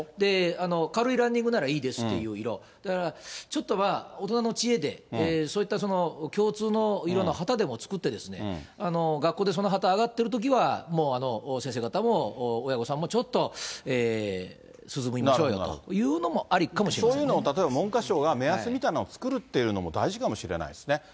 軽いランニングなら、いいですっていう色、だから、ちょっとまあ、大人の知恵で、そういった共通の色の旗でも作って、学校でその旗上がっているときは、もう先生方も、親御さんもちょっと涼みましょうよというのもありかもしれないでそういうの、例えば文科省が目安みたいなものを作るっていうのも大事かもしれないですね。